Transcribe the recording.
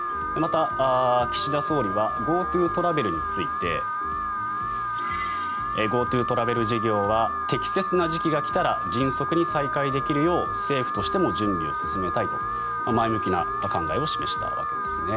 また、岸田総理はＧｏＴｏトラベルについてＧｏＴｏトラベル事業は適切な時期が来たら迅速に再開できるよう政府としても準備を進めたいと前向きな考えを示したわけです。